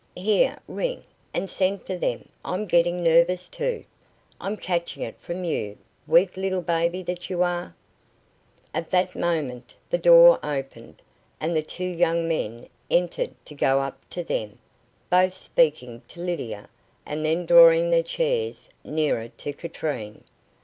Here, ring, and send for them; I'm getting nervous, too. I'm catching it from you weak little baby that you are." At that moment the door opened, and the two young men entered to go up to them, both speaking to Lydia, and then drawing their chairs nearer to Katrine.